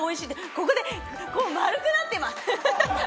ここで丸くなってます。